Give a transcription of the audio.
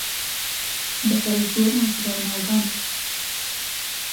Bet arī ar to mums vēl nav gana.